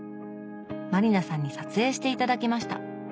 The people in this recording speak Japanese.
満里奈さんに撮影して頂きました。